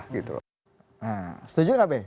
setuju gak be